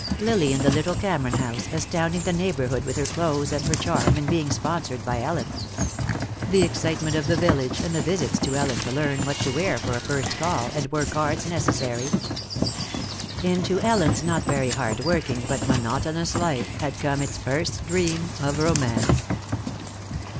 Lily in the little Cameron house, astounding the neighborhood with her clothes and her charm, and being sponsored by Ellen. The excitement of the village, and the visits to Ellen to learn what to wear for a first call, and were cards necessary? Into Ellen's not very hard working but monotonous life had comes its first dream of romance.